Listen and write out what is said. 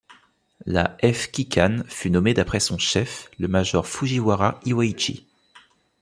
La F Kikan fut nommée d'après son chef, le major Fujiwara Iwaichi.